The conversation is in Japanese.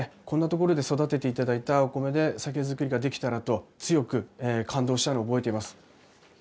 こんな所で育てて頂いたお米で酒造りができたらと強く感動したのを覚えています。